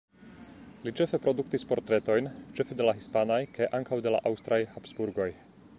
Li ĉefe produktis portretojn, ĉefe de la hispanaj, kaj ankaŭ de la aŭstraj, Habsburgoj.